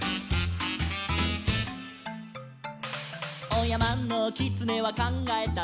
「おやまのきつねはかんがえた」